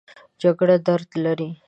جګړه درد لري